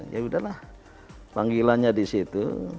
ya udahlah panggilannya di situ